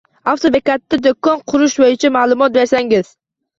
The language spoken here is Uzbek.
Avtobekatda do‘kon qurish bo‘yicha ma’lumot bersangiz.